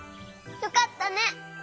よかったね！